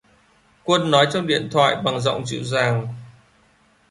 Quân nói trong điện thoại bằng giọng dịu dàng